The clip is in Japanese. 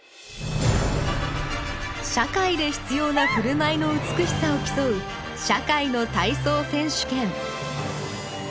社会で必要な振る舞いの美しさを競う「社会の体操選手権」